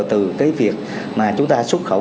từ cái việc mà chúng ta xuất khẩu